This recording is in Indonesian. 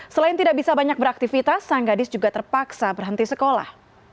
selain tidak bisa banyak beraktivitas sang gadis juga terpaksa berhenti sekolah